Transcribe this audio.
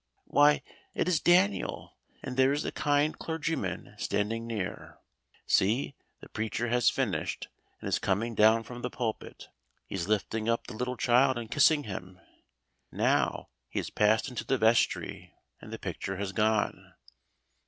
Why, it is Daniel, and there is the kind clergyman standing near. See, the preacher has finished, and is coming down from the pulpit, he is lifting up the little child and is kissing him. Now, he has passed into the vestry, and the picture has gone.